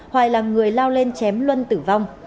hoài là người lao lên chém luân